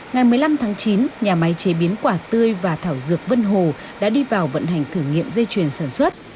ngày một mươi năm tháng chín nhà máy chế biến quả tươi và thảo dược vân hồ đã đi vào vận hành thử nghiệm dây chuyền sản xuất